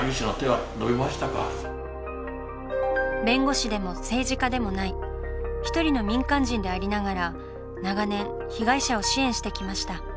弁護士でも政治家でもない一人の民間人でありながら長年被害者を支援してきました。